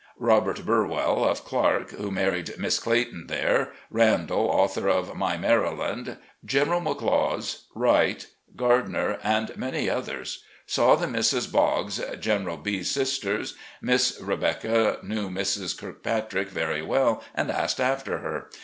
Robert Burwell, of Clarke, who married Miss Clayton there; Randell, author of 'My Maryland'; General McLaws, Wright, Gardner, and many others. Saw the Misses Boggs, General B 's sisters. Miss Rebecca knew Mrs. Kirkpatrick very well, and asked after her.